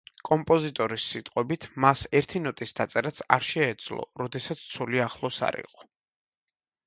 კომპოზიტორის სიტყვებით, მას ერთი ნოტის დაწერაც არ შეეძლო, როდესაც ცოლი ახლოს არ იყო.